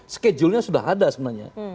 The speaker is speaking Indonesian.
schedulenya sudah ada sebenarnya